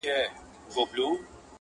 o هولکي د وارخطا ورور دئ.